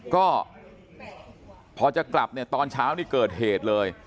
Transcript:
ก็พอจะกลับเนี่ยตอนเช้านี่เกิดเหตุเลย